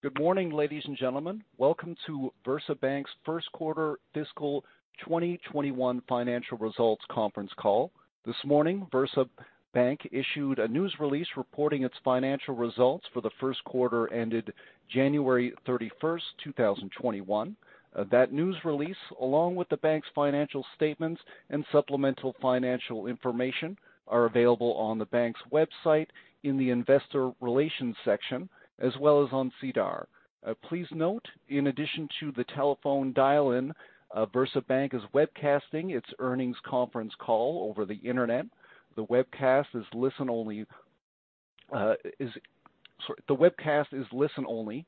Good morning, ladies and gentlemen. Welcome to VersaBank's first quarter fiscal 2021 financial results conference call. This morning, VersaBank issued a news release reporting its financial results for the first quarter ended January 31st, 2021. That news release, along with the bank's financial statements and supplemental financial information, are available on the bank's website in the investor relations section, as well as on SEDAR. Please note, in addition to the telephone dial-in, VersaBank is webcasting its earnings conference call over the Internet. The webcast is listen only.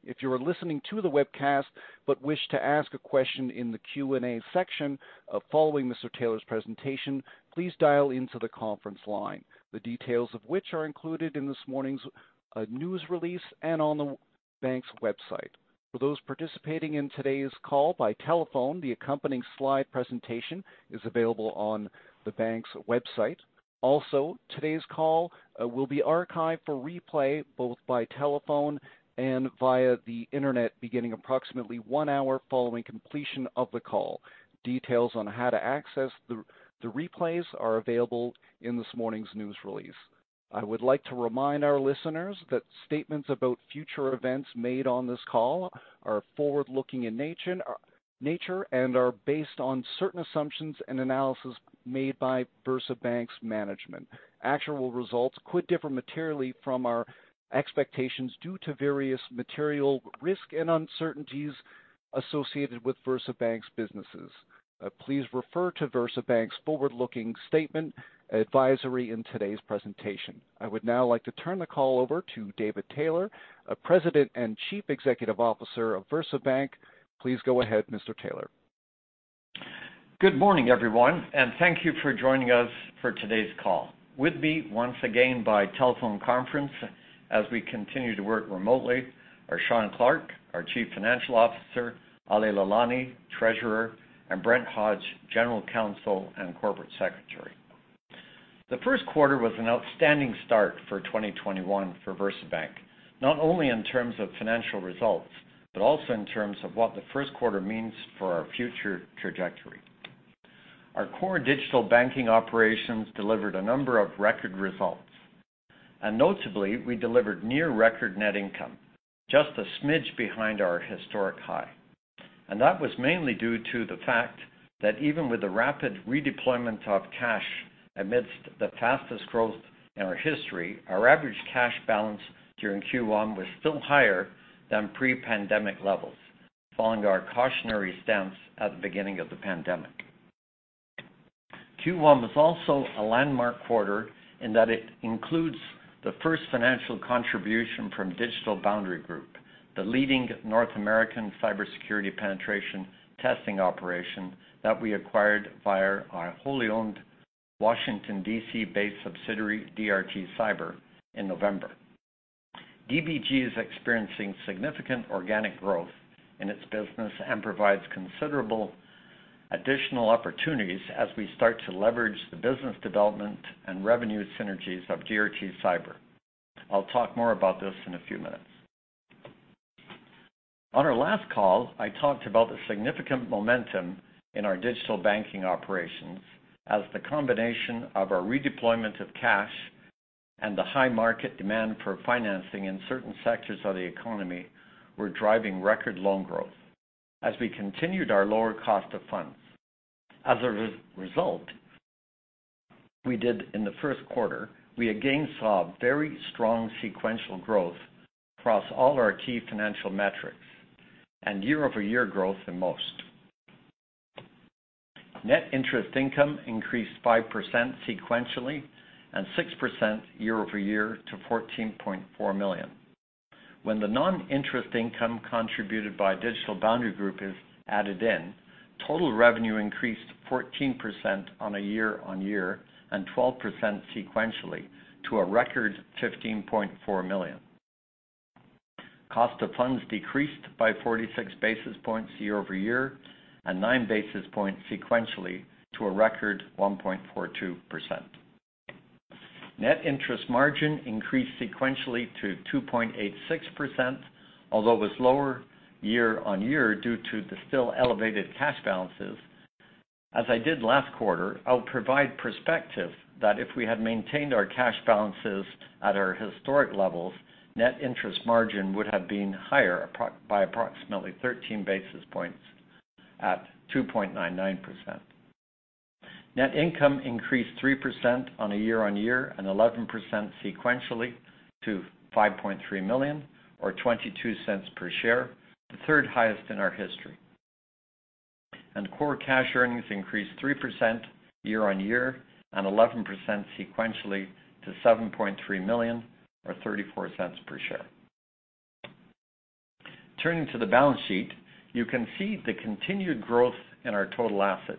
If you are listening to the webcast but wish to ask a question in the Q&A section following Mr. Taylor's presentation, please dial into the conference line, the details of which are included in this morning's news release and on the bank's website. For those participating in today's call by telephone, the accompanying slide presentation is available on the bank's website. Also, today's call will be archived for replay, both by telephone and via the Internet, beginning approximately one hour following completion of the call. Details on how to access the replays are available in this morning's news release. I would like to remind our listeners that statements about future events made on this call are forward-looking in nature and are based on certain assumptions and analysis made by VersaBank's management. Actual results could differ materially from our expectations due to various material risks and uncertainties associated with VersaBank's businesses. Please refer to VersaBank's Forward-Looking Statement Advisory in today's presentation. I would now like to turn the call over to David Taylor, President and Chief Executive Officer of VersaBank. Please go ahead, Mr. Taylor. Good morning, everyone, and thank you for joining us for today's call. With me, once again by telephone conference as we continue to work remotely, are Shawn Clarke, our Chief Financial Officer, Aly Lalani, Treasurer, and Brent Hodge, General Counsel and Corporate Secretary. The first quarter was an outstanding start for 2021 for VersaBank, not only in terms of financial results, but also in terms of what the first quarter means for our future trajectory. Our core digital banking operations delivered a number of record results. Notably, we delivered near record net income, just a smidge behind our historic high. That was mainly due to the fact that even with the rapid redeployment of cash amidst the fastest growth in our history, our average cash balance during Q1 was still higher than pre-pandemic levels following our cautionary stance at the beginning of the pandemic. Q1 was also a landmark quarter in that it includes the first financial contribution from Digital Boundary Group, the leading North American cybersecurity penetration testing operation that we acquired via our wholly owned Washington, D.C.-based subsidiary, DRT Cyber, in November. DBG is experiencing significant organic growth in its business and provides considerable additional opportunities as we start to leverage the business development and revenue synergies of DRT Cyber. I'll talk more about this in a few minutes. On our last call, I talked about the significant momentum in our digital banking operations as the combination of our redeployment of cash and the high market demand for financing in certain sectors of the economy were driving record loan growth as we continued our lower cost of funds. As a result we did in the first quarter, we again saw very strong sequential growth across all our key financial metrics, and year-over-year growth in most. Net interest income increased 5% sequentially and 6% year-over-year to 14.4 million. When the non-interest income contributed by Digital Boundary Group is added in, total revenue increased 14% on a year-on-year and 12% sequentially to a record 15.4 million. Cost of funds decreased by 46 basis points year-over-year and nine basis points sequentially to a record 1.42%. Net interest margin increased sequentially to 2.86%, although it was lower year-on-year due to the still elevated cash balances. As I did last quarter, I'll provide perspective that if we had maintained our cash balances at our historic levels, net interest margin would have been higher by approximately 13 basis points at 2.99%. Net income increased 3% on a year-on-year and 11% sequentially to 5.3 million, or 0.22 per share, the third highest in our history. Core cash earnings increased 3% year-on-year and 11% sequentially to 7.3 million, or 0.34 per share. Turning to the balance sheet, you can see the continued growth in our total assets,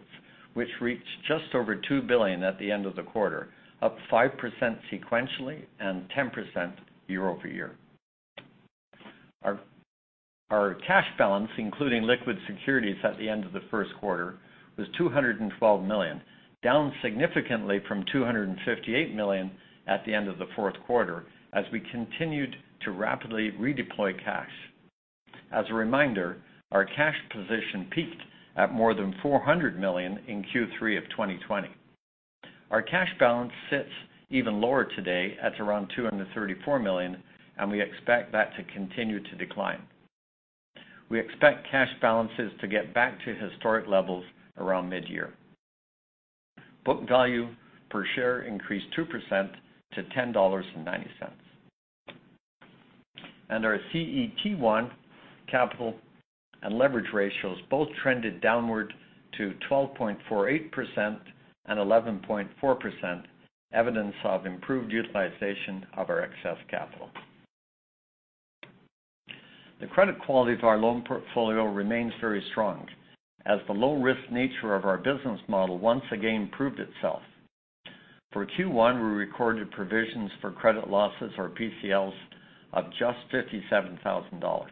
which reached just over 2 billion at the end of the quarter, up 5% sequentially and 10% year-over-year. Our cash balance, including liquid securities at the end of the first quarter, was 212 million, down significantly from 258 million at the end of the fourth quarter as we continued to rapidly redeploy cash. As a reminder, our cash position peaked at more than 400 million in Q3 of 2020. Our cash balance sits even lower today at around 234 million, and we expect that to continue to decline. We expect cash balances to get back to historic levels around mid-year. Book value per share increased 2% to 10.90 dollars. Our CET1 capital and leverage ratios both trended downward to 12.48% and 11.4%, evidence of improved utilization of our excess capital. The credit quality of our loan portfolio remains very strong as the low-risk nature of our business model once again proved itself. For Q1, we recorded provisions for credit losses or PCLs of just 57,000 dollars,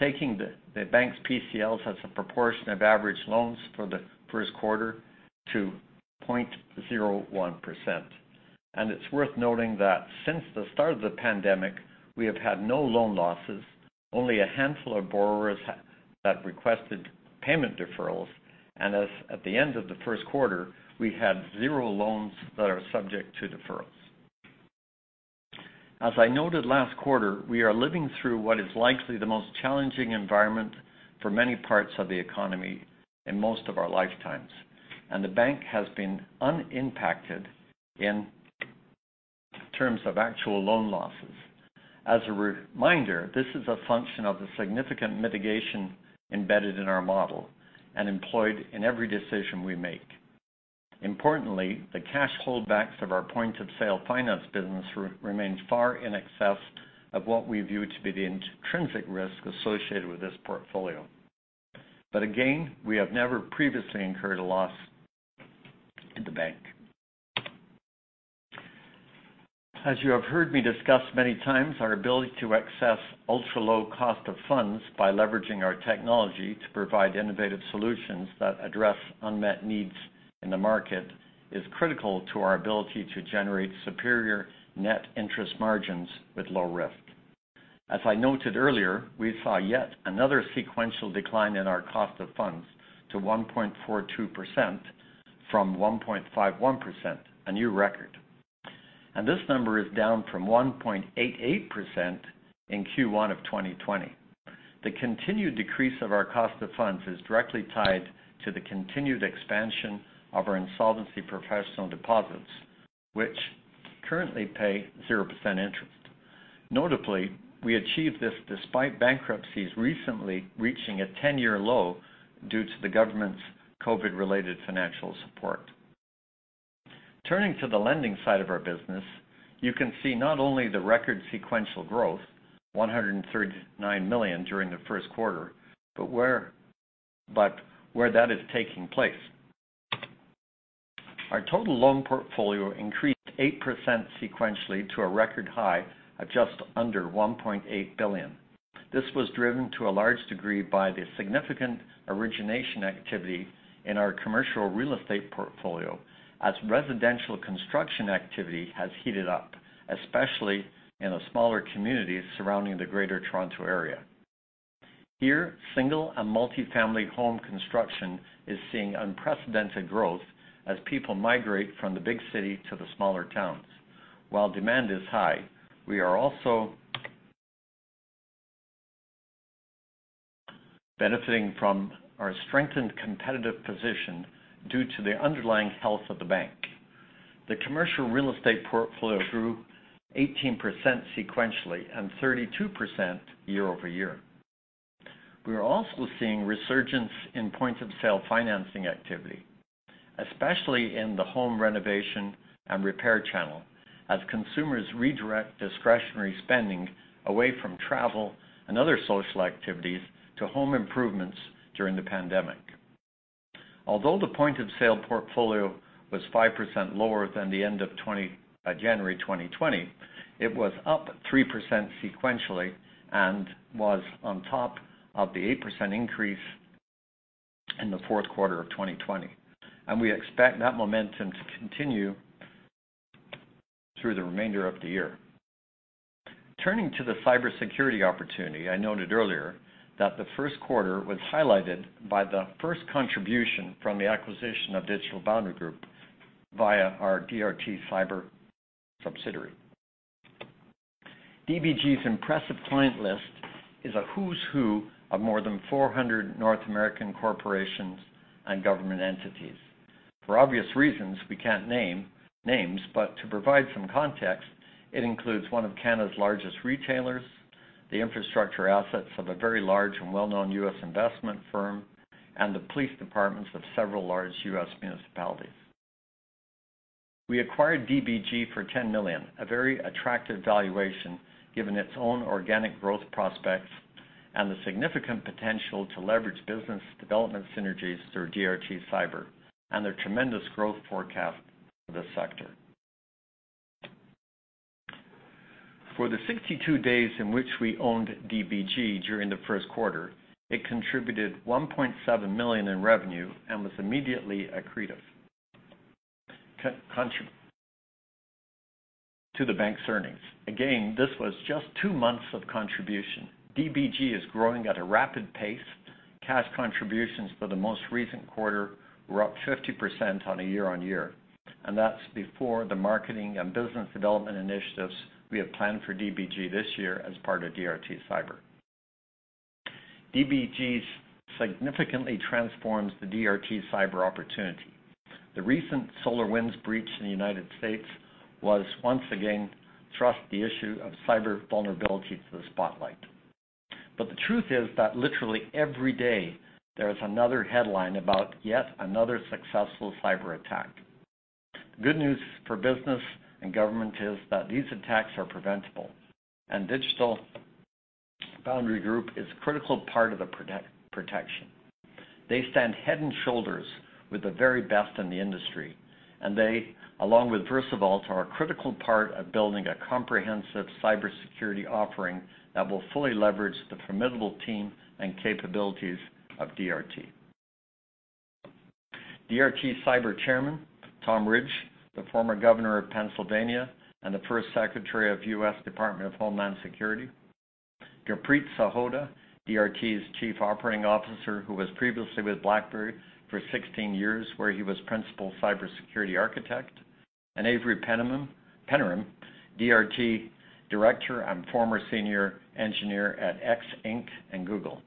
taking the bank's PCLs as a proportion of average loans for the first quarter to 0.01%. It's worth noting that since the start of the pandemic, we have had no loan losses, only a handful of borrowers that requested payment deferrals, and as at the end of the first quarter, we had zero loans that are subject to deferrals. As I noted last quarter, we are living through what is likely the most challenging environment for many parts of the economy in most of our lifetimes, and the bank has been unimpacted in terms of actual loan losses. As a reminder, this is a function of the significant mitigation embedded in our model and employed in every decision we make. Importantly, the cash holdbacks of our point of sale finance business remains far in excess of what we view to be the intrinsic risk associated with this portfolio. Again, we have never previously incurred a loss in the bank. As you have heard me discuss many times, our ability to access ultra-low cost of funds by leveraging our technology to provide innovative solutions that address unmet needs in the market is critical to our ability to generate superior net interest margins with low risk. As I noted earlier, we saw yet another sequential decline in our cost of funds to 1.42% from 1.51%, a new record. This number is down from 1.88% in Q1 of 2020. The continued decrease of our cost of funds is directly tied to the continued expansion of our insolvency professional deposits, which currently pay 0% interest. Notably, we achieved this despite bankruptcies recently reaching a 10-year low due to the government's COVID-related financial support. Turning to the lending side of our business, you can see not only the record sequential growth, 139 million during the first quarter, but where that is taking place. Our total loan portfolio increased 8% sequentially to a record high of just under 1.8 billion. This was driven to a large degree by the significant origination activity in our commercial real estate portfolio as residential construction activity has heated up, especially in the smaller communities surrounding the Greater Toronto Area. Here, single and multi-family home construction is seeing unprecedented growth as people migrate from the big city to the smaller towns. While demand is high, we are also benefiting from our strengthened competitive position due to the underlying health of the bank. The commercial real estate portfolio grew 18% sequentially and 32% year-over-year. We are also seeing resurgence in point of sale financing activity, especially in the home renovation and repair channel as consumers redirect discretionary spending away from travel and other social activities to home improvements during the pandemic. Although the point of sale portfolio was 5% lower than the end of January 2020, it was up 3% sequentially and was on top of the 8% increase in the fourth quarter of 2020. We expect that momentum to continue through the remainder of the year. Turning to the cybersecurity opportunity, I noted earlier that the first quarter was highlighted by the first contribution from the acquisition of Digital Boundary Group via our DRT Cyber subsidiary. DBG's impressive client list is a who's who of more than 400 North American corporations and government entities. For obvious reasons, we can't name names, but to provide some context, it includes one of Canada's largest retailers, the infrastructure assets of a very large and well-known U.S. investment firm, and the police departments of several large U.S. municipalities. We acquired DBG for 10 million, a very attractive valuation given its own organic growth prospects and the significant potential to leverage business development synergies through DRT Cyber and their tremendous growth forecast for the sector. For the 62 days in which we owned DBG during the first quarter, it contributed 1.7 million in revenue and was immediately accretive to the bank's earnings. Again, this was just two months of contribution. DBG is growing at a rapid pace. Cash contributions for the most recent quarter were up 50% on a year-over-year, and that's before the marketing and business development initiatives we have planned for DBG this year as part of DRT Cyber. DBG significantly transforms the DRT Cyber opportunity. The recent SolarWinds breach in the United States once again thrust the issue of cyber vulnerability to the spotlight. The truth is that literally every day, there is another headline about yet another successful cyber attack. The good news for business and government is that these attacks are preventable, and Digital Boundary Group is a critical part of the protection. They stand head and shoulders with the very best in the industry, and they, along with VersaVault, are a critical part of building a comprehensive cybersecurity offering that will fully leverage the formidable team and capabilities of DRT. DRT Cyber chairman Tom Ridge, the former governor of Pennsylvania and the first secretary of the U.S. Department of Homeland Security. Gurpreet Sahota, DRT's chief operating officer, who was previously with BlackBerry for 16 years, where he was principal cybersecurity architect. Art Linton, DRT director and former senior engineer at X, Inc. and Google.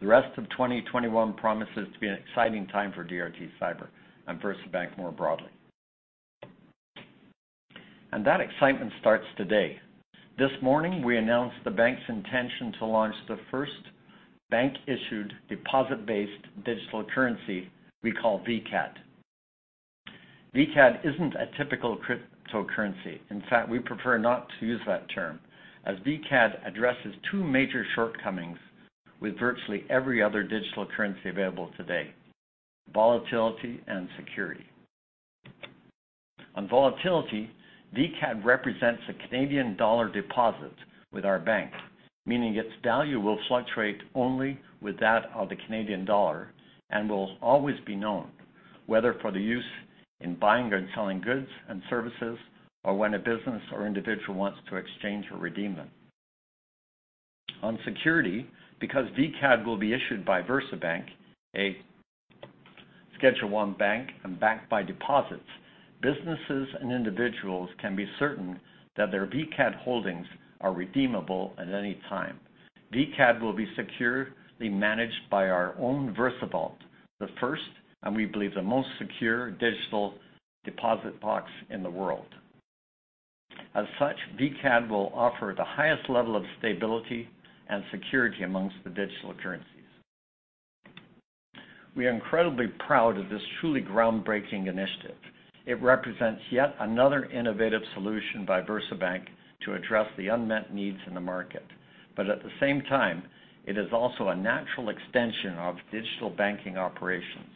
The rest of 2021 promises to be an exciting time for DRT Cyber and VersaBank more broadly. That excitement starts today. This morning, we announced the bank's intention to launch the first bank-issued deposit-based digital currency we call VCAD. VCAD isn't a typical cryptocurrency. In fact, we prefer not to use that term, as VCAD addresses two major shortcomings with virtually every other digital currency available today: volatility and security. On volatility, VCAD represents a Canadian dollar deposit with our bank, meaning its value will fluctuate only with that of the Canadian dollar and will always be known, whether for the use in buying and selling goods and services, or when a business or individual wants to exchange or redeem them. On security, because VCAD will be issued by VersaBank, a Schedule I bank, and backed by deposits, businesses and individuals can be certain that their VCAD holdings are redeemable at any time. VCAD will be securely managed by our own VersaVault, the first, and we believe the most secure, digital deposit box in the world. As such, VCAD will offer the highest level of stability and security amongst the digital currencies. We are incredibly proud of this truly groundbreaking initiative. It represents yet another innovative solution by VersaBank to address the unmet needs in the market. At the same time, it is also a natural extension of digital banking operations.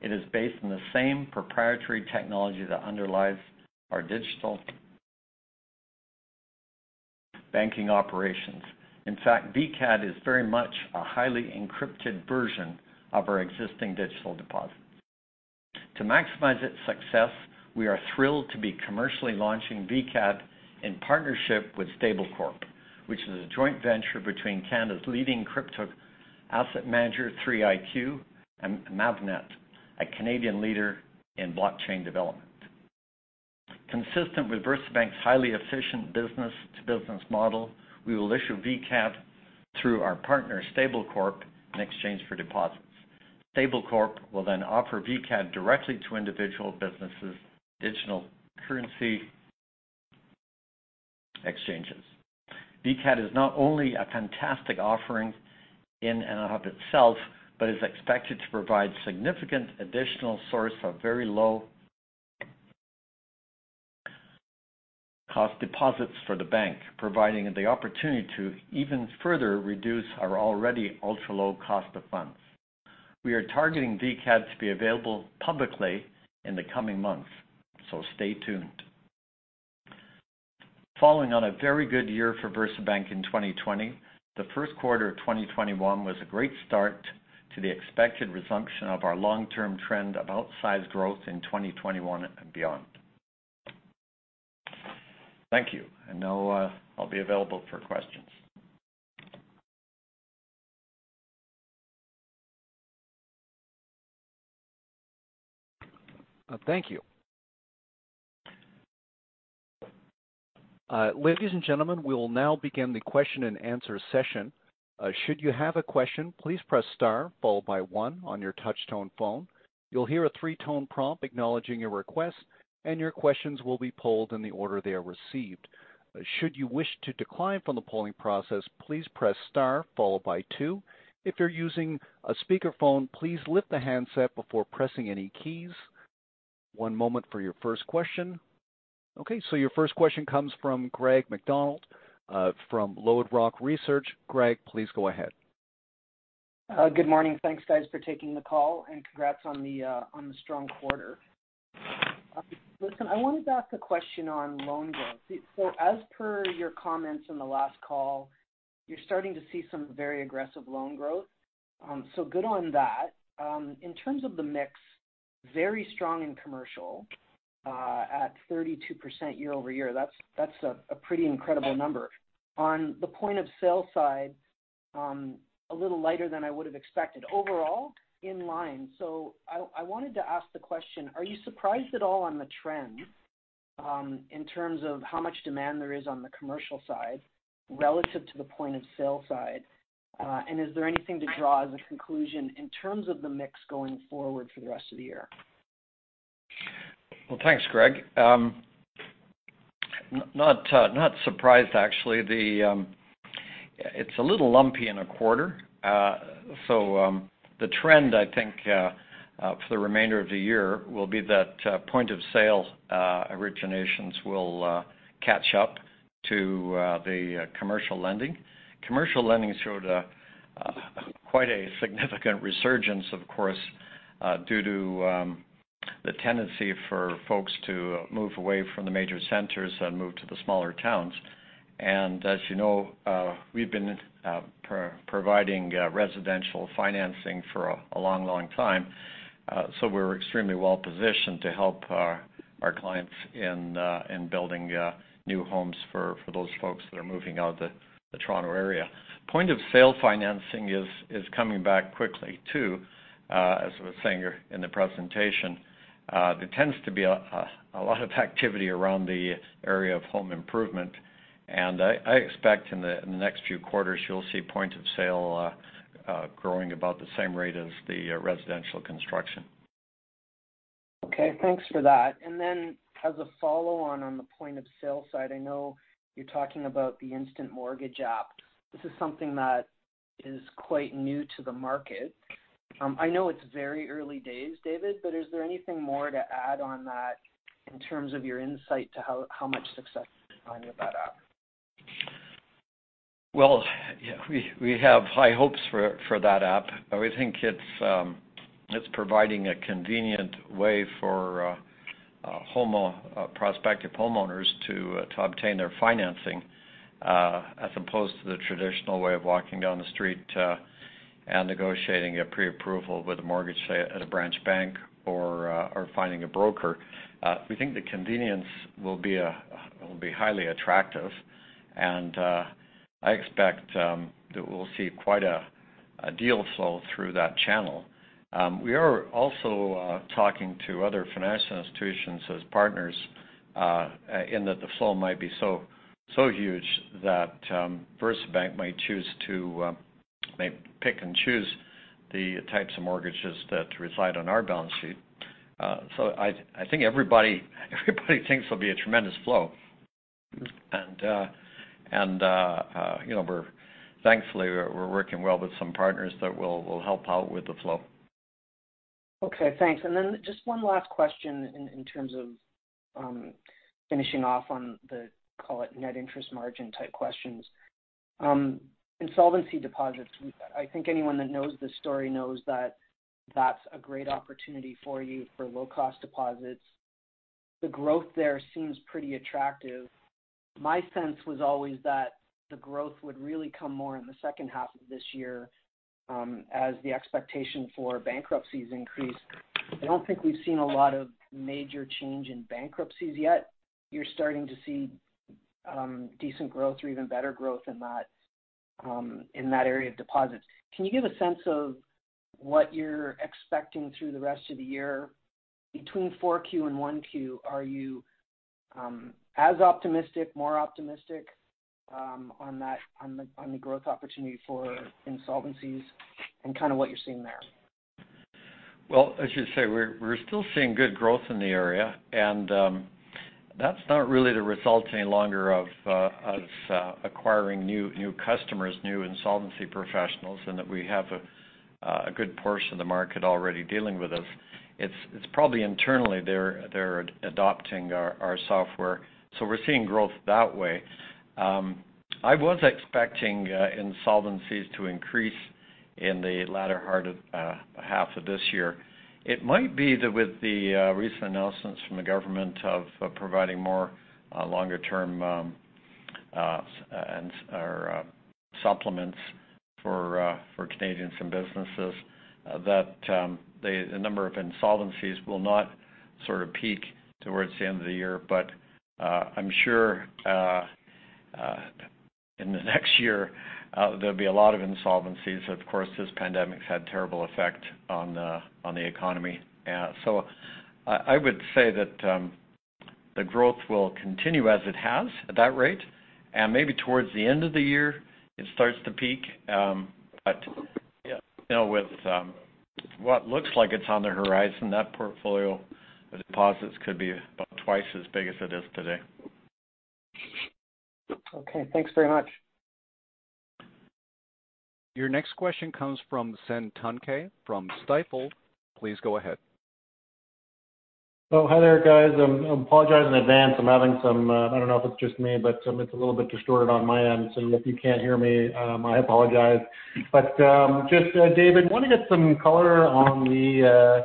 It is based on the same proprietary technology that underlies our digital banking operations. In fact, VCAD is very much a highly encrypted version of our existing digital deposit. To maximize its success, we are thrilled to be commercially launching VCAD in partnership with Stablecorp, which is a joint venture between Canada's leading crypto asset manager, 3iQ, and Mavennet, a Canadian leader in blockchain development. Consistent with VersaBank's highly efficient business-to-business model, we will issue VCAD through our partner, Stablecorp, in exchange for deposits. Stablecorp will offer VCAD directly to individual businesses, digital currency exchanges. VCAD is not only a fantastic offering in and of itself, but is expected to provide significant additional source of very low-cost deposits for the bank, providing the opportunity to even further reduce our already ultra-low cost of funds. We are targeting VCAD to be available publicly in the coming months, stay tuned. Following on a very good year for VersaBank in 2020, the first quarter of 2021 was a great start to the expected resumption of our long-term trend of outsized growth in 2021 and beyond. Thank you. Now I'll be available for questions. Thank you. Ladies and gentlemen, we will now begin the question and answer session. Should you have a question, please press star followed by one on your touch-tone phone. You'll hear a three-tone prompt acknowledging your request, and your questions will be polled in the order they are received. Should you wish to decline from the polling process, please press star followed by two. If you're using a speakerphone, please lift the handset before pressing any keys. One moment for your first question. Okay, your first question comes from Greg MacDonald from LodeRock Research. Greg, please go ahead. Good morning. Thanks, guys, for taking the call, and congrats on the strong quarter. Listen, I wanted to ask a question on loan growth. As per your comments in the last call, you're starting to see some very aggressive loan growth. Good on that. In terms of the mix, very strong in commercial at 32% year-over-year. That's a pretty incredible number. On the point-of-sale side, a little lighter than I would have expected. Overall, in line. I wanted to ask the question, are you surprised at all on the trend in terms of how much demand there is on the commercial side relative to the point-of-sale side? Is there anything to draw as a conclusion in terms of the mix going forward for the rest of the year? Well, thanks, Greg. Not surprised, actually. It's a little lumpy in a quarter. The trend, I think, for the remainder of the year will be that point of sale originations will catch up to the commercial lending. Commercial lending showed quite a significant resurgence, of course, due to the tendency for folks to move away from the major centers and move to the smaller towns. As you know, we've been providing residential financing for a long time. We're extremely well-positioned to help our clients in building new homes for those folks that are moving out of the Toronto area. Point of sale financing is coming back quickly, too. As I was saying in the presentation, there tends to be a lot of activity around the area of home improvement, and I expect in the next few quarters you'll see point of sale growing about the same rate as the residential construction. Okay. Thanks for that. As a follow-on on the point-of-sale side, I know you're talking about the instant mortgage app. This is something that is quite new to the market. I know it's very early days, David, is there anything more to add on that in terms of your insight to how much success you're finding with that app? Well, we have high hopes for that app. We think it's providing a convenient way for prospective homeowners to obtain their financing, as opposed to the traditional way of walking down the street to and negotiating a preapproval with a mortgage, say, at a branch bank or finding a broker. We think the convenience will be highly attractive, and I expect that we'll see quite a deal flow through that channel. We are also talking to other financial institutions as partners, in that the flow might be so huge that VersaBank might pick and choose the types of mortgages that reside on our balance sheet. I think everybody thinks there'll be a tremendous flow. Thankfully, we're working well with some partners that will help out with the flow. Okay, thanks. Just one last question in terms of finishing off on the, call it net interest margin type questions. Insolvency deposits, I think anyone that knows this story knows that that's a great opportunity for you for low-cost deposits. The growth there seems pretty attractive. My sense was always that the growth would really come more in the second half of this year as the expectation for bankruptcies increase. I don't think we've seen a lot of major change in bankruptcies yet. You're starting to see decent growth or even better growth in that area of deposits. Can you give a sense of what you're expecting through the rest of the year between Q4 and Q1? Are you as optimistic, more optimistic on the growth opportunity for insolvencies and kind of what you're seeing there? Well, as you say, we're still seeing good growth in the area, that's not really the result any longer of us acquiring new customers, new insolvency professionals, and that we have a good portion of the market already dealing with us. It's probably internally they're adopting our software. We're seeing growth that way. I was expecting insolvencies to increase in the latter half of this year. It might be that with the recent announcements from the government of providing more longer-term supplements for Canadians and businesses, that the number of insolvencies will not sort of peak towards the end of the year. I'm sure in the next year, there'll be a lot of insolvencies. Of course, this pandemic has had a terrible effect on the economy. I would say that the growth will continue as it has at that rate, and maybe towards the end of the year, it starts to peak. With what looks like it's on the horizon, that portfolio of deposits could be about twice as big as it is today. Okay, thanks very much. Your next question comes from Suthan Sukumar from Stifel. Please go ahead. Oh, hi there, guys. I apologize in advance. I don't know if it's just me, but it's a little bit distorted on my end, so if you can't hear me, I apologize. David, I want to get some color on the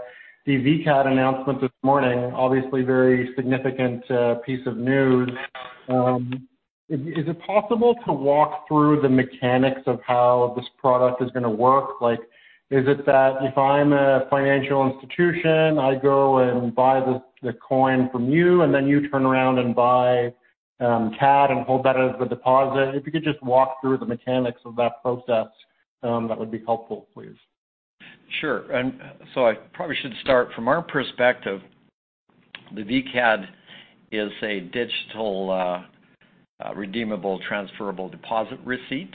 VCAD announcement this morning. Obviously, very significant piece of news. Is it possible to walk through the mechanics of how this product is going to work? Is it that if I'm a financial institution, I go and buy the coin from you, and then you turn around and buy CAD and hold that as the deposit? If you could just walk through the mechanics of that process, that would be helpful, please. Sure. I probably should start from our perspective, the VCAD is a digital redeemable transferable deposit receipt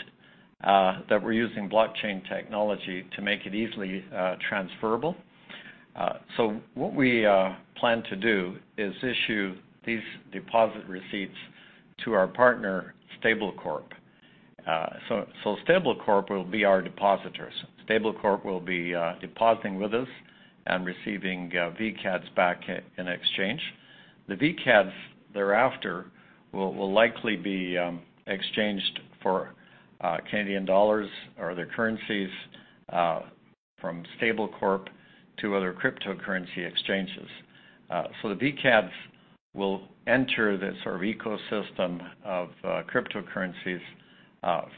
that we're using blockchain technology to make it easily transferable. What we plan to do is issue these deposit receipts to our partner, Stablecorp. Stablecorp will be our depositors. Stablecorp will be depositing with us and receiving VCADs back in exchange. The VCAD thereafter will likely be exchanged for Canadian dollars or other currencies from Stablecorp to other cryptocurrency exchanges. The VCADs will enter this sort of ecosystem of cryptocurrencies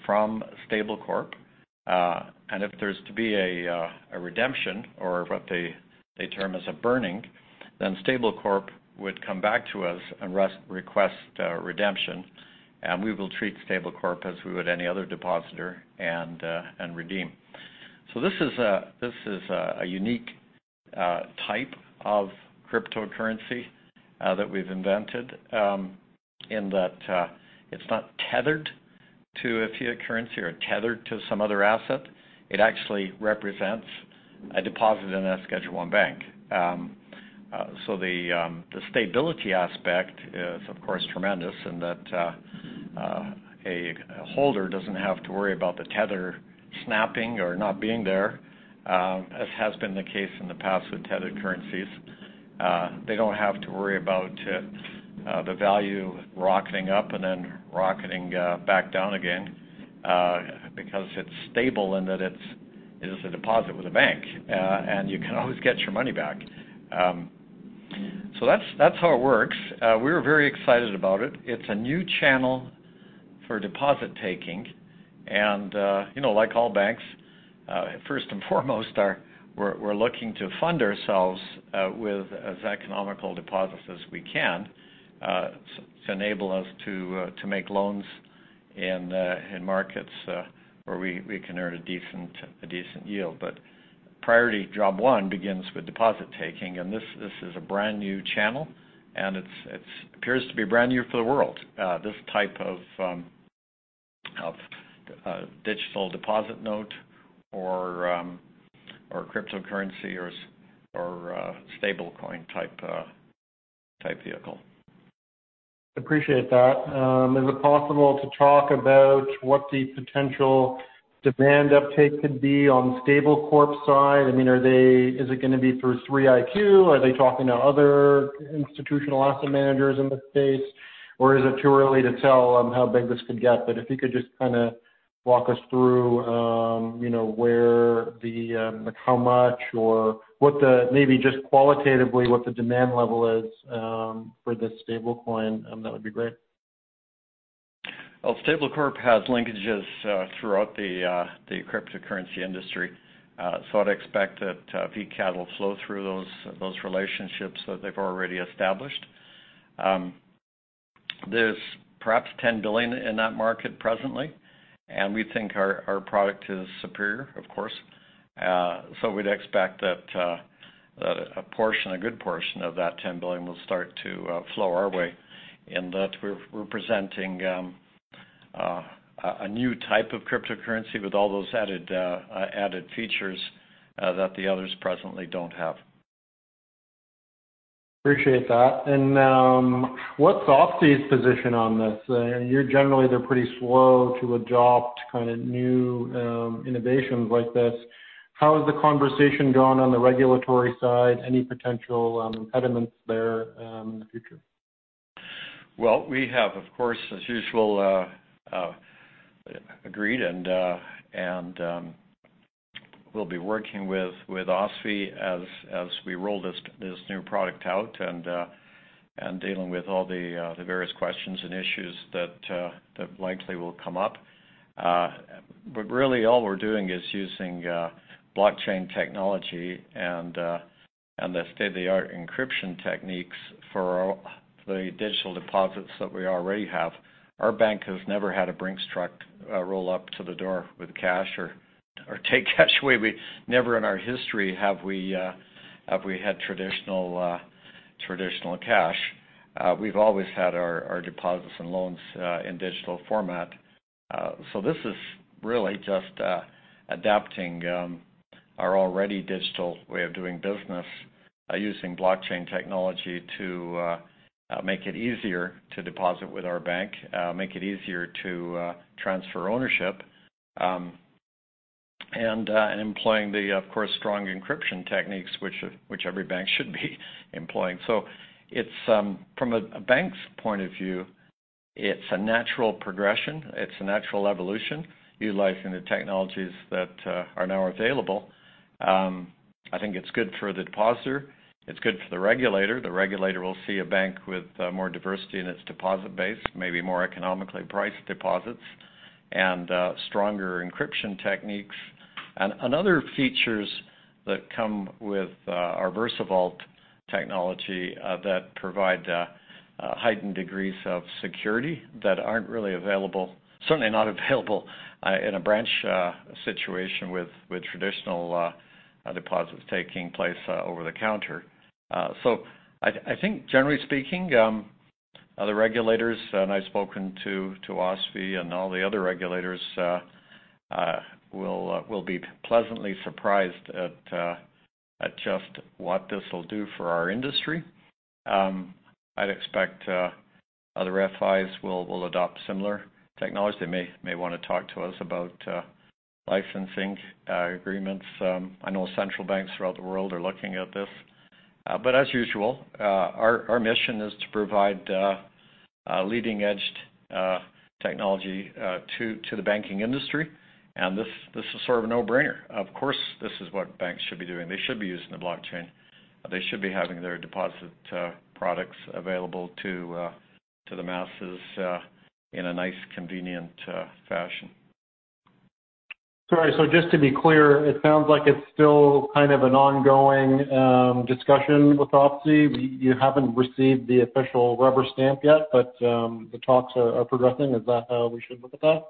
from Stablecorp. If there's to be a redemption or what they term as a burning, then Stablecorp would come back to us and request redemption, and we will treat Stablecorp as we would any other depositor and redeem. This is a unique type of cryptocurrency that we've invented, in that it's not tethered to a fiat currency or tethered to some other asset. It actually represents a deposit in a Schedule I bank. The stability aspect is, of course, tremendous in that a holder doesn't have to worry about the tether snapping or not being there, as has been the case in the past with tethered currencies. They don't have to worry about the value rocketing up and then rocketing back down again because it's stable and that it is a deposit with a bank, and you can always get your money back. That's how it works. We're very excited about it. It's a new channel for deposit taking, and like all banks, first and foremost, we're looking to fund ourselves with as economical deposits as we can to enable us to make loans in markets where we can earn a decent yield. Priority job one begins with deposit taking, and this is a brand-new channel, and it appears to be brand new for the world, this type of digital deposit note or cryptocurrency or stablecoin type vehicle. Appreciate that. Is it possible to talk about what the potential demand uptake could be on Stablecorp's side? Is it going to be through 3iQ? Are they talking to other institutional asset managers in the U.S., or is it too early to tell how big this could get? If you could just kind of walk us through how much or maybe just qualitatively what the demand level is for this stablecoin, that would be great. Well, Stablecorp has linkages throughout the cryptocurrency industry. I'd expect that VCAD will flow through those relationships that they've already established. There's perhaps 10 billion in that market presently, and we think our product is superior, of course. We'd expect that a good portion of that 10 billion will start to flow our way, in that we're presenting a new type of cryptocurrency with all those added features that the others presently don't have. Appreciate that. What's OSFI's position on this? Generally, they're pretty slow to adopt kind of new innovations like this. How has the conversation gone on the regulatory side? Any potential impediments there in the future? We have, of course, as usual, agreed and we'll be working with OSFI as we roll this new product out and dealing with all the various questions and issues that likely will come up. Really, all we're doing is using blockchain technology and the state-of-the-art encryption techniques for the digital deposits that we already have. Our bank has never had a Brinks truck roll up to the door with cash or take cash away. Never in our history have we had traditional cash. We've always had our deposits and loans in digital format. This is really just adapting our already digital way of doing business using blockchain technology to make it easier to deposit with our bank, make it easier to transfer ownership. Employing the, of course, strong encryption techniques, which every bank should be employing. From a bank's point of view, it's a natural progression. It's a natural evolution, utilizing the technologies that are now available. I think it's good for the depositor. It's good for the regulator. The regulator will see a bank with more diversity in its deposit base, maybe more economically priced deposits and stronger encryption techniques. Other features that come with our VersaVault technology that provide heightened degrees of security that aren't really available, certainly not available in a branch situation with traditional deposits taking place over-the-counter. I think generally speaking, the regulators, and I've spoken to OSFI and all the other regulators, will be pleasantly surprised at just what this will do for our industry. I'd expect other FIs will adopt similar technology. They may want to talk to us about licensing agreements. I know central banks throughout the world are looking at this. As usual, our mission is to provide leading-edged technology to the banking industry, and this is sort of a no-brainer. Of course, this is what banks should be doing. They should be using the blockchain. They should be having their deposit products available to the masses in a nice, convenient fashion. Sorry. Just to be clear, it sounds like it's still kind of an ongoing discussion with OSFI. You haven't received the official rubber stamp yet, but the talks are progressing. Is that how we should look at that?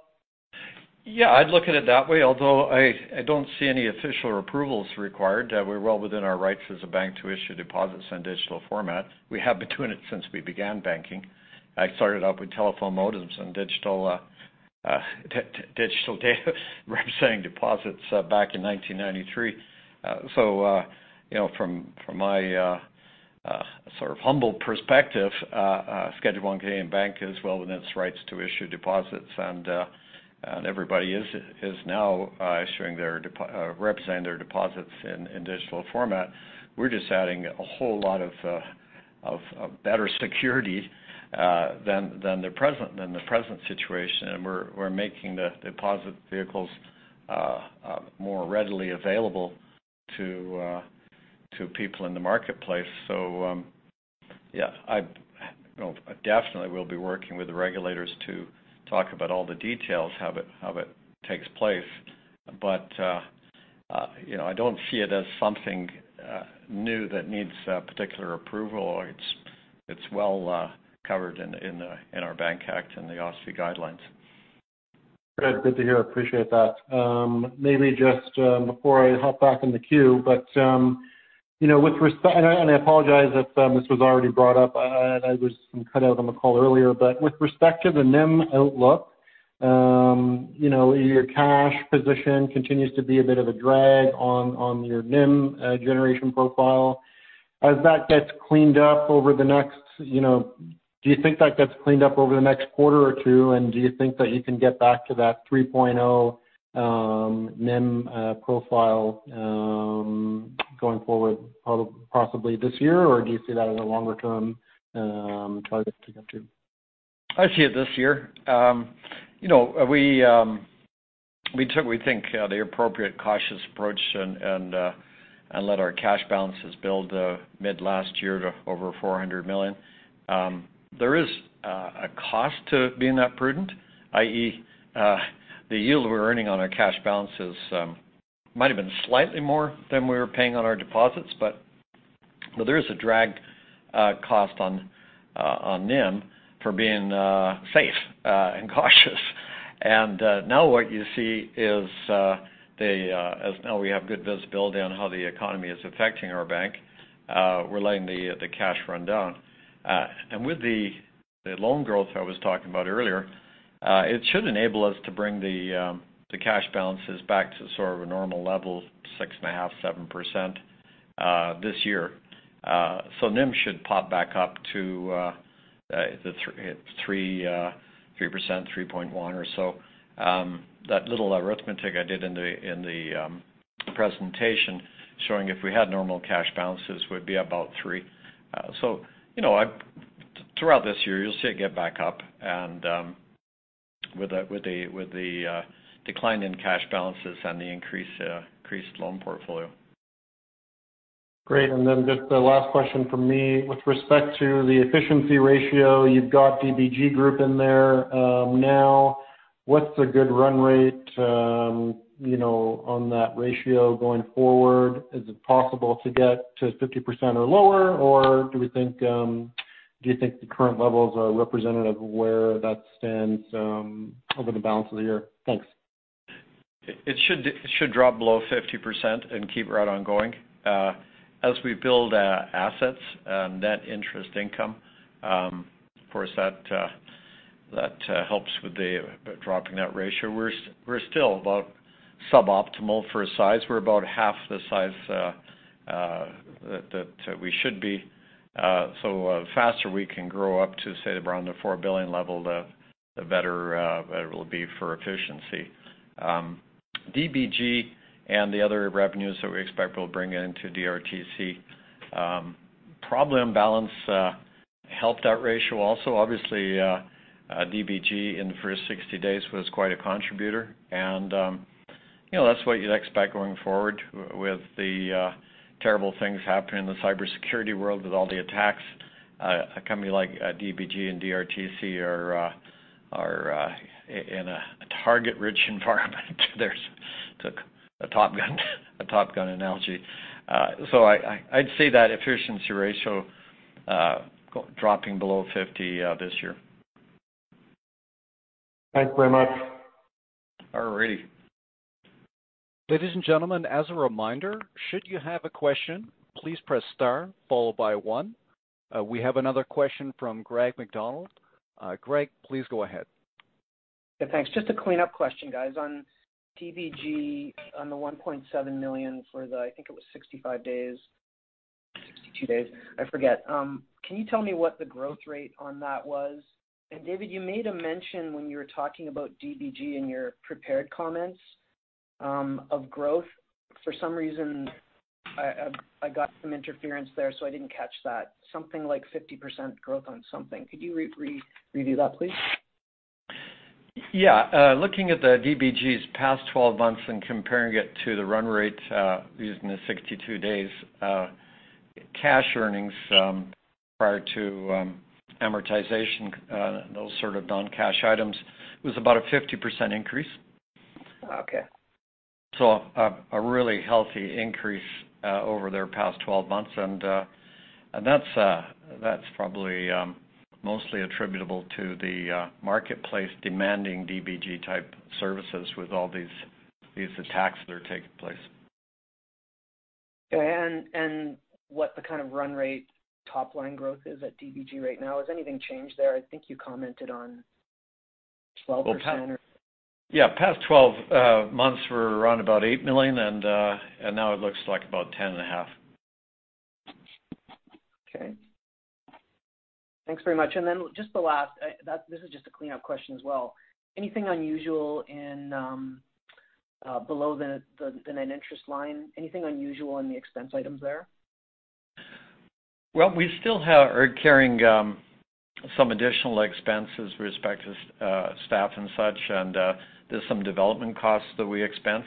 I'd look at it that way, although I don't see any official approvals required. We're well within our rights as a bank to issue deposits in digital format. We have been doing it since we began banking. I started out with telephone modems and digital data representing deposits back in 1993. From my sort of humble perspective, Schedule I Canadian bank is well within its rights to issue deposits, and everybody is now representing their deposits in digital format. We're just adding a whole lot of better security than the present situation. We're making the deposit vehicles more readily available to people in the marketplace. I definitely will be working with the regulators to talk about all the details, how it takes place. I don't see it as something new that needs particular approval. It's well covered in our Bank Act and the OSFI guidelines. Great. Good to hear. Appreciate that. Maybe just before I hop back in the queue, with respect, and I apologize if this was already brought up. I was cut out on the call earlier. With respect to the NIM outlook, your cash position continues to be a bit of a drag on your NIM generation profile. Do you think that gets cleaned up over the next quarter or two? Do you think that you can get back to that 3.0 NIM profile going forward possibly this year? Do you see that as a longer-term target to get to? I see it this year. We took, we think, the appropriate cautious approach and let our cash balances build mid last year to over 400 million. There is a cost to being that prudent, i.e., the yield we're earning on our cash balances might have been slightly more than we were paying on our deposits, but there is a drag cost on NIM for being safe and cautious. Now what you see is now we have good visibility on how the economy is affecting our bank. We're letting the cash run down. With the loan growth I was talking about earlier, it should enable us to bring the cash balances back to sort of a normal level, 6.5%, 7% this year. NIM should pop back up to hit 3%, 3.1% or so. That little arithmetic I did in the presentation showing if we had normal cash balances would be about 3%. Throughout this year, you'll see it get back up and with the decline in cash balances and the increased loan portfolio. Great. Just the last question from me. With respect to the efficiency ratio, you've got DBG Group in there now. What's a good run rate on that ratio going forward? Is it possible to get to 50% or lower, or do you think the current levels are representative of where that stands over the balance of the year? Thanks. It should drop below 50% and keep right on going. As we build assets, net interest income, of course, that helps with dropping that ratio. We're still about suboptimal for size. We're about half the size that we should be. The faster we can grow up to, say, around the 4 billion level. The better it will be for efficiency. DBG and the other revenues that we expect will bring into DRTC, probably in balance helped that ratio also. Obviously, DBG in the first 60 days was quite a contributor, and that's what you'd expect going forward with the terrible things happening in the cybersecurity world, with all the attacks. A company like DBG and DRTC are in a target-rich environment. There's a Top Gun analogy. I'd say that efficiency ratio dropping below 50% this year. Thanks very much. All righty. Ladies and gentlemen, as a reminder, should you have a question, please press star followed by one. We have another question from Greg MacDonald. Greg, please go ahead. Yeah, thanks. Just a cleanup question, guys, on DBG, on the 1.7 million for the, I think it was 65 days, 62 days, I forget. Can you tell me what the growth rate on that was? David, you made a mention when you were talking about DBG in your prepared comments, of growth. For some reason, I got some interference there, so I didn't catch that. Something like 50% growth on something. Could you review that, please? Yeah. Looking at the DBG's past 12 months and comparing it to the run rate, using the 62 days cash earnings prior to amortization and those sort of non-cash items, it was about a 50% increase. Okay. A really healthy increase over their past 12 months. That's probably mostly attributable to the marketplace demanding DBG-type services with all these attacks that are taking place. Okay. What the kind of run rate top-line growth is at DBG right now? Has anything changed there? I think you commented on 12%. Yeah. Past 12 months were around about 8 million, and now it looks like about 10.5 million. Okay. Thanks very much. Just the last, this is just a cleanup question as well. Anything unusual below the net interest line? Anything unusual in the expense items there? Well, we still are carrying some additional expenses with respect to staff and such, and there's some development costs that we expense.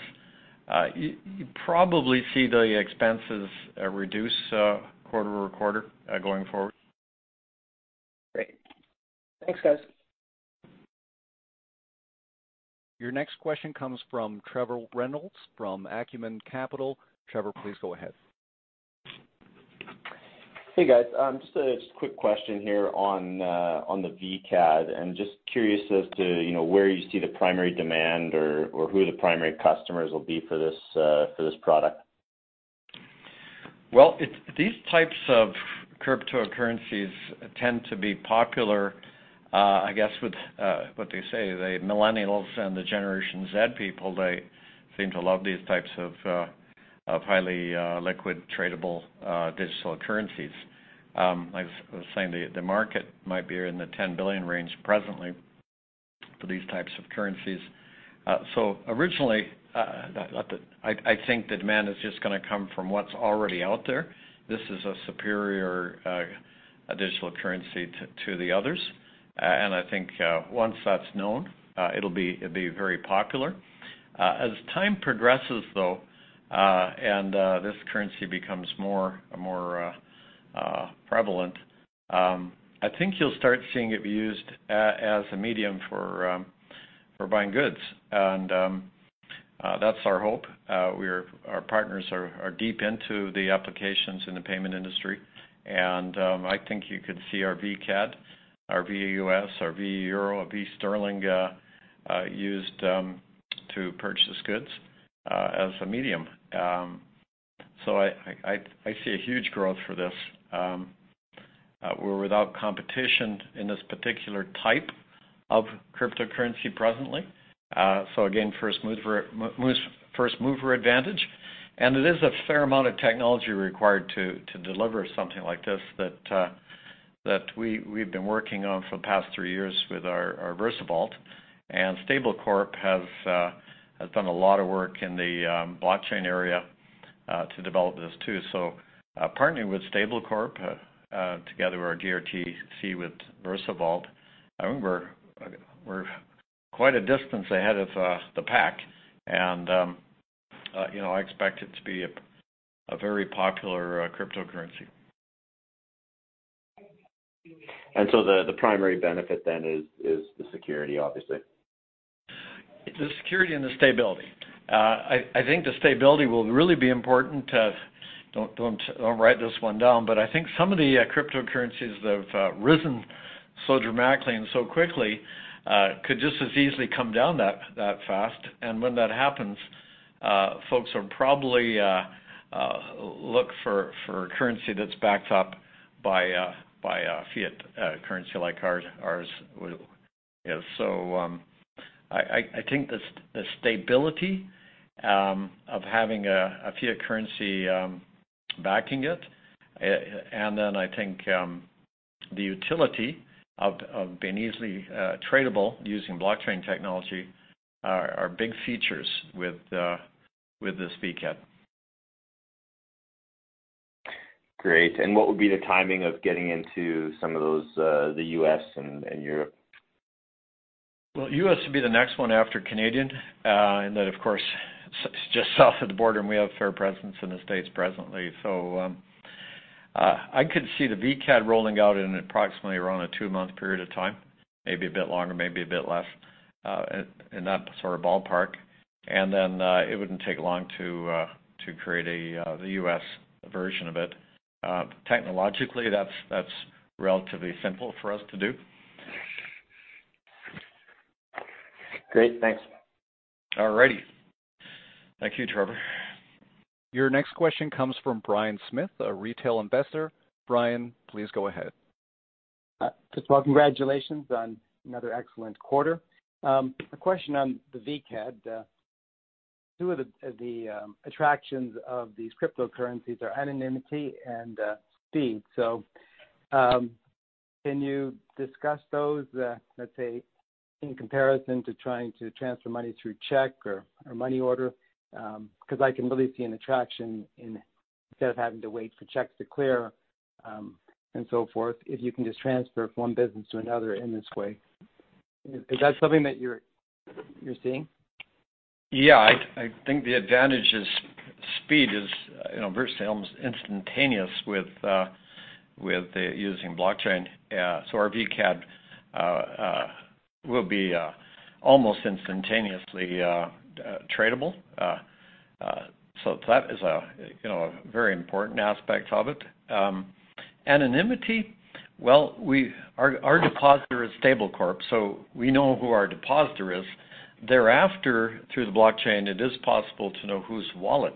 You probably see the expenses reduce quarter-over-quarter, going forward. Great. Thanks, guys. Your next question comes from Trevor Reynolds from Acumen Capital. Trevor, please go ahead. Hey, guys. Just a quick question here on the VCAD. I'm just curious as to where you see the primary demand or who the primary customers will be for this product. Well, these types of cryptocurrencies tend to be popular, I guess, with what they say, the Millennials and the Generation Z people, they seem to love these types of highly liquid tradable digital currencies. I was saying the market might be in the 10 billion range presently for these types of currencies. Originally, I think the demand is just going to come from what's already out there. This is a superior digital currency to the others. I think once that's known, it'll be very popular. As time progresses, though, and this currency becomes more prevalent, I think you'll start seeing it be used as a medium for buying goods. That's our hope. Our partners are deep into the applications in the payment industry, and I think you could see our VCAD, our VUSD, our VEuro, a V Sterling, used to purchase goods as a medium. I see a huge growth for this. We're without competition in this particular type of cryptocurrency presently. Again, first-mover advantage. It is a fair amount of technology required to deliver something like this that we've been working on for the past three years with our VersaVault. Stablecorp has done a lot of work in the blockchain area to develop this too. Partnering with Stablecorp together with DRTC with VersaVault, I think we're quite a distance ahead of the pack. I expect it to be a very popular cryptocurrency. The primary benefit then is the security, obviously. It's the security and the stability. I think the stability will really be important. Don't write this one down, I think some of the cryptocurrencies that have risen so dramatically and so quickly could just as easily come down that fast. When that happens, folks will probably look for a currency that's backed up by a fiat currency like ours is. I think the stability of having a fiat currency backing it, I think the utility of being easily tradable using blockchain technology are big features with this VCAD. Great. What would be the timing of getting into some of those, the U.S. and Europe? U.S. will be the next one after Canadian. Of course, it's just south of the border, and we have fair presence in the States presently. I could see the VCAD rolling out in approximately around a two-month period of time, maybe a bit longer, maybe a bit less, in that sort of ballpark. It wouldn't take long to create the U.S. version of it. Technologically, that's relatively simple for us to do. Great, thanks. All righty. Thank you, Trevor. Your next question comes from Brian Smith, a retail investor. Brian, please go ahead. Just want to congratulations on another excellent quarter. A question on the VCAD. Two of the attractions of these cryptocurrencies are anonymity and speed. Can you discuss those, let's say, in comparison to trying to transfer money through check or money order? I can really see an attraction in instead of having to wait for checks to clear, and so forth, if you can just transfer from one business to another in this way. Is that something that you're seeing? Yeah, I think the advantage is speed is virtually almost instantaneous with using blockchain. Our VCAD will be almost instantaneously tradable. That is a very important aspect of it. Anonymity, well, our depositor is Stablecorp, we know who our depositor is. Thereafter, through the blockchain, it is possible to know whose wallet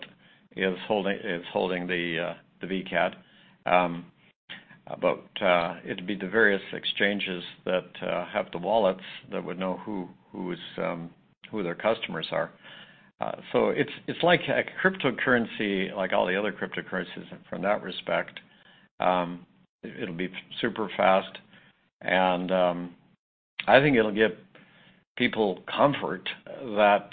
is holding the VCAD. It'd be the various exchanges that have the wallets that would know who their customers are. It's like a cryptocurrency, like all the other cryptocurrencies in from that respect. It'll be super fast, and I think it'll give people comfort that,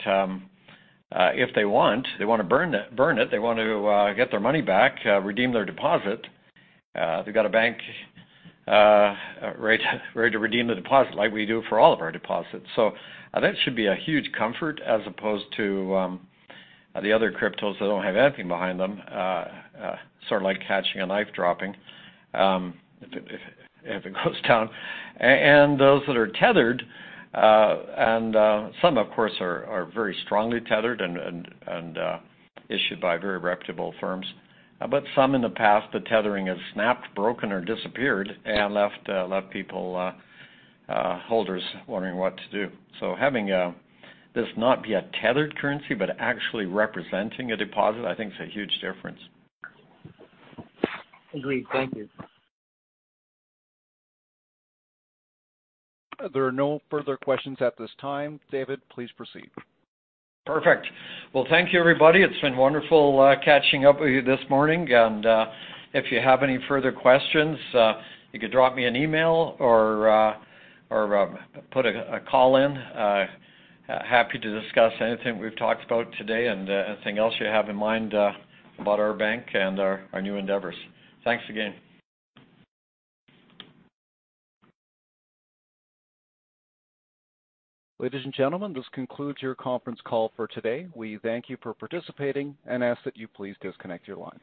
if they want to burn it, they want to get their money back, redeem their deposit, they've got a bank ready to redeem the deposit like we do for all of our deposits. That should be a huge comfort as opposed to the other cryptos that don't have anything behind them, sort of like catching a knife dropping if it goes down. Those that are tethered, and some of course, are very strongly tethered and issued by very reputable firms, but some in the past, the tethering has snapped, broken, or disappeared and left people, holders wondering what to do. Having this not be a tethered currency, but actually representing a deposit, I think is a huge difference. Agreed. Thank you. There are no further questions at this time. David Taylor, please proceed. Perfect. Well, thank you everybody. It's been wonderful catching up with you this morning, and if you have any further questions, you could drop me an email or put a call in. Happy to discuss anything we've talked about today and anything else you have in mind about our bank and our new endeavors. Thanks again. Ladies and gentlemen, this concludes your conference call for today. We thank you for participating and ask that you please disconnect your lines.